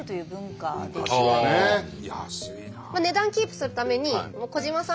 値段キープするために小嶋さん